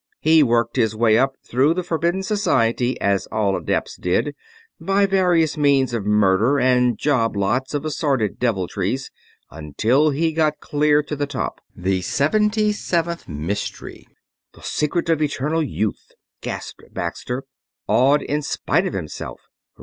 He worked his way up through the Forbidden Society as all adepts did, by various kinds of murder and job lots of assorted deviltries, until he got clear to the top the seventy seventh mystery...." "The secret of eternal youth!" gasped Baxter, awed in spite of himself.